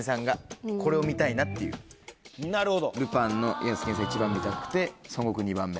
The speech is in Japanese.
ルパンのヤスケンさん一番見たくて孫悟空２番目。